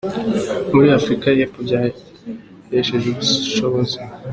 muri Afurika y’Epfo byahesheje ubushobozi.